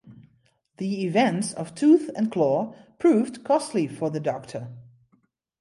The events of "Tooth and Claw" proved costly for the Doctor.